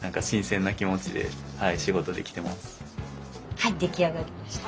はい出来上がりました。